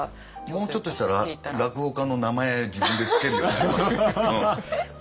もうちょっとしたら落語家の名前自分で付けるようになりますよ。